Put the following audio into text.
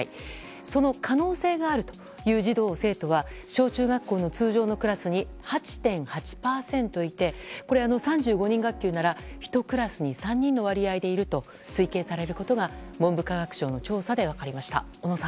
その可能性があるという児童・生徒は小中学校の通常のクラスに８．８％いて３５人学級なら１クラスに３人の割合でいると推計されることが文部科学省の調査で分かりました。